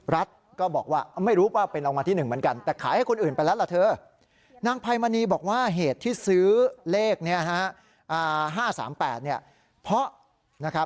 รัฐก็บอกว่าไม่รู้ว่าเป็นรางวัลที่๑เหมือนกัน